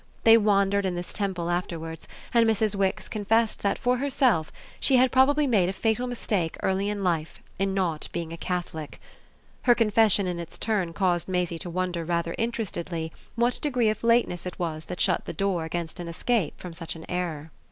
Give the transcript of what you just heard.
They wandered in this temple afterwards and Mrs. Wix confessed that for herself she had probably made a fatal mistake early in life in not being a Catholic. Her confession in its turn caused Maisie to wonder rather interestedly what degree of lateness it was that shut the door against an escape from such an error.